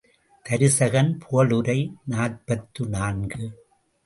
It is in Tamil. தருசகன் புகழுரை நாற்பத்து நான்கு.